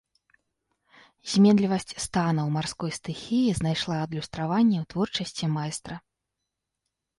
Зменлівасць станаў марской стыхіі знайшла адлюстраванне ў творчасці майстра.